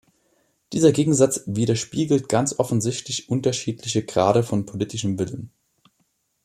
Dieser Gegensatz widerspiegelt ganz offensichtlich unterschiedliche Grade von politischem Willen.